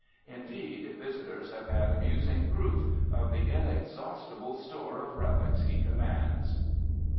Indeed, visitors have had amusing proof of the inex haustible store of relics he commands.